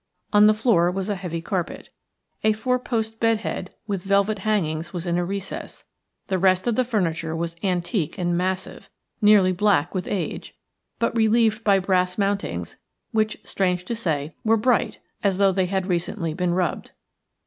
On the floor was a heavy carpet. A four post bed head with velvet hangings was in a recess. The rest of the furniture was antique and massive, nearly black with age, but relieved by brass mountings, which, strange to say, were bright as though they had recently been rubbed.